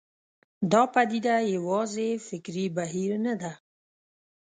دا پدیده یوازې فکري بهیر نه ده.